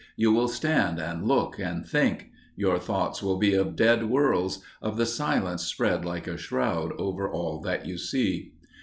You will stand and look and think. Your thoughts will be of dead worlds; of the silence spread like a shroud over all that you see.